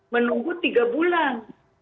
menunggu tiga bulan